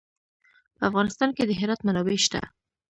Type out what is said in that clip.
په افغانستان کې د هرات منابع شته.